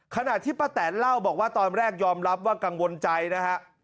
ขณะที่ป้าแตนเล่าบอกว่าตอนแรกยอมรับว่ากังวลใจนะฮะ